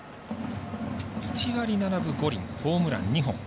１割７分５厘ホームラン２本。